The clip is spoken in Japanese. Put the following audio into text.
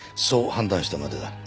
そう判断したまでだ。